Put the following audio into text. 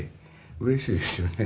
うれしいですよね。